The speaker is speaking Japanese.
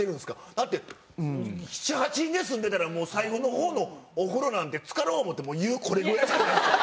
だって７８人で住んでたらもう最後の方のお風呂なんてつかろう思うても湯これぐらいしかないでしょ？